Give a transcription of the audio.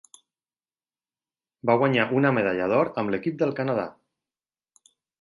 Va guanyar una medalla d'or amb l'equip del Canadà.